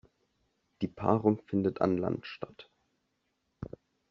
Die Paarung findet an Land statt.